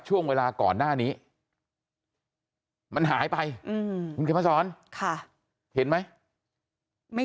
ช่วงเวลาก่อนหน้านี้มันหายไปคุณเขียนมาสอนเห็นไหมไม่